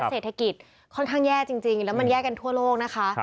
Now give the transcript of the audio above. เศรษฐกิจค่อนข้างแย่จริงแล้วมันแย่กันทั่วโลกนะคะ